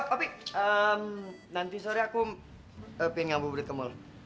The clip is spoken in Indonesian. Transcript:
opi nanti sore aku pengen ngambul budet ke mall